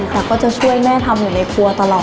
แต่ก็จะช่วยแม่ทำอยู่ในครัวตลอด